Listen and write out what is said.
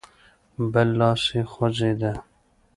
بل لاس يې خوځېده.